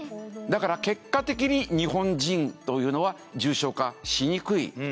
だから結果的に日本人というのは重症化しにくい。